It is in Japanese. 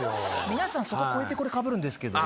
皆さん、そこ超えてこれかぶるんですけどね。